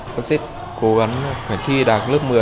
con sẽ cố gắng phải thi đạt lớp một mươi